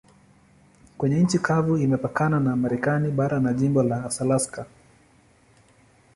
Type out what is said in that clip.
Kwenye nchi kavu imepakana na Marekani bara na jimbo la Alaska.